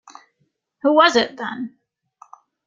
Who was it, then?